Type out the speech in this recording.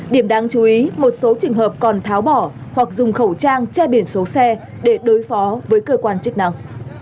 điểm đáng chú ý một số trường hợp còn tháo bỏ hoặc dùng khẩu trang che biển số xe để đối phó với cơ quan chức năng